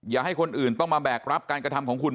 อย่าให้คนอื่นต้องมาแบกรับการกระทำของคุณ